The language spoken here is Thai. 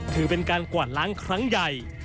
ถือเป็นการกวาดล้างครั้งใหญ่